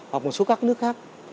hoặc một số các nước khác